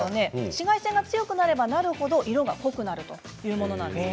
紫外線が強くなれば強くなるほど色が濃くなるんです。